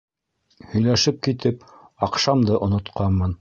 Һөйләшеп китеп аҡшамды онотҡанмын.